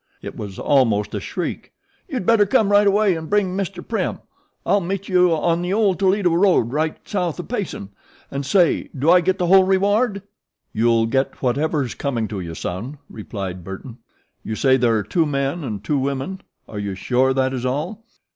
It was almost a shriek. "You'd better come right away an' bring Mr. Prim. I'll meet you on the ol' Toledo road right south of Payson, an' say, do I get the whole reward?" "You'll get whatever's coming to you, son," replied Burton. "You say there are two men and two women are you sure that is all?"